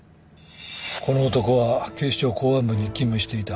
この男は警視庁公安部に勤務していた。